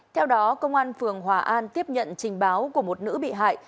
theo đó công an phường hòa an tiếp nhận trình báo của một nữ bị hại